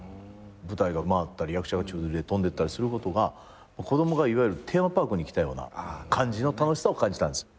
舞台が回ったり役者が宙づりで飛んでったりすることが子供がテーマパークに来たような感じの楽しさを感じたんです。